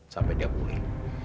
sampai dia pulih